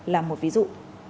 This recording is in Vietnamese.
là một ví dụ